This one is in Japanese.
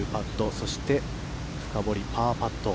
そして、深堀、パーパット。